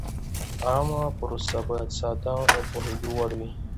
عامه پروسې باید ساده او د پوهېدو وړ وي.